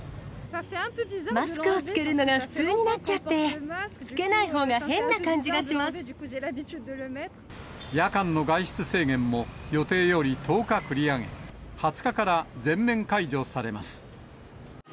マスクを着けるのが普通になっちゃって、夜間の外出制限も、予定より１０日繰り上げ、２０日から全面解除されます。